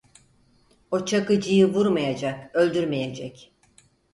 O Çakıcı'yı vurmayacak, öldürmeyecek!